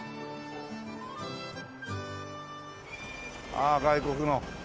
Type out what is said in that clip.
ああ外国の。